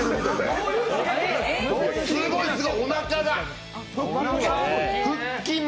すごい、すごい、おなかが、腹筋も。